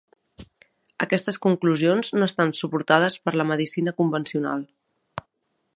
Aquestes conclusions no estan suportades per la medicina convencional.